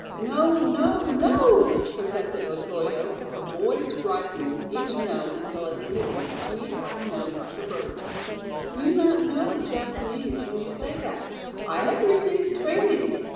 "No, no, no," protested Otoyo, her voice rising with each no until it ended in a sweet high note like a bird's. "You not know the Japanese when you say that. I have received training.